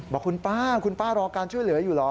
บอกคุณป้าคุณป้ารอการช่วยเหลืออยู่เหรอ